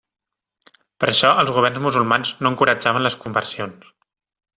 Per això, els governs musulmans no encoratjaven les conversions.